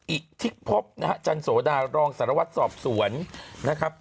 อิขทิพพนะฮะจันทรโสดารองสรวจสอบสวนนะครับ